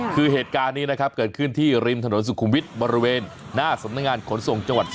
คือเหตุการณ์นี้นะครับเกิดขึ้นที่ริมถนนสุขุมวิทย์บริเวณหน้าสำนักงานขนส่งจังหวัด